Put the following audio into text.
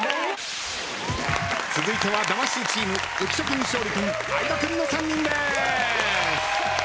続いては魂チーム浮所君勝利君相葉君の３人。